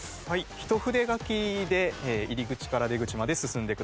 一筆書きで入り口から出口まで進んでください。